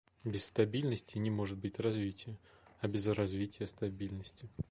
Без стабильности не может быть развития, а без развития — стабильности.